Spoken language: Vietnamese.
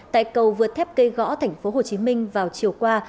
tại cầu vượt thép cây gõ tp hcm vào chiều qua